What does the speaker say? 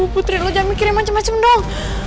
putri lo jangan mikirin macem macem dong